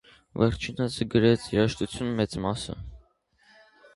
Վերջինս գրեց երաժշտության մեծ մասը։